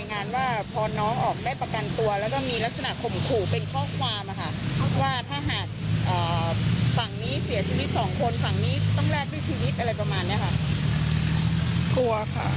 กลัวค่ะกลัว